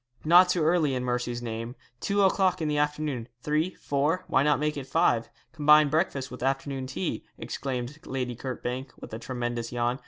'Not too early, in mercy's name. Two o'clock in the afternoon, three, four; why not make it five combine breakfast with afternoon tea,' exclaimed Lady Kirkbank, with a tremendous yawn.